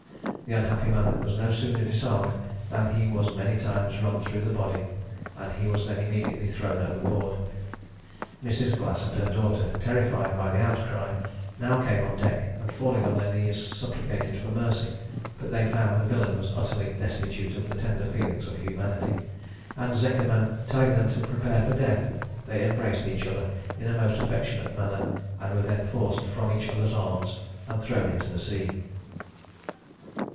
The unhappy man was no sooner disarmed than he was many times run through the body, and he was then immediately thrown overboard. Mrs. Glass and her daughter, terrified by the outcry, now came on deck, and falling on their knees, supplicated for mercy; but they found the villains utterly destitute of the tender feelings of humanity; and Zekerman telling them to prepare for death, they embraced each other in a most affectionate manner, and were then forced from each other's arms, and thrown into the sea.